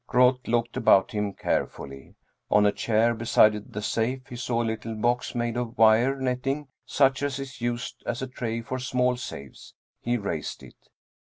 Groth looked about him carefully. On a chair beside the safe he saw a little box made of wire netting such as is used as a tray for small safes. He raised it.